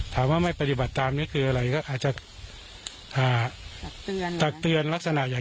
ถามว่าไม่ปฏิบัติตามนี่คืออะไรก็อาจจะอ่าตักเตือนตักเตือนลักษณะอย่าง